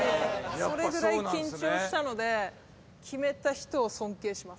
それぐらい緊張したので決めた人を尊敬します。